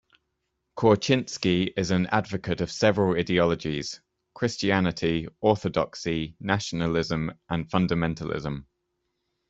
Korchynsky is an advocate of several ideologies - Christianity, Orthodoxy, Nationalism, and Fundamentalism.